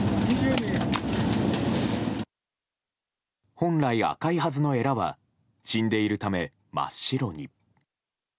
本来、赤いはずのえらは死んでいるため真っ白に。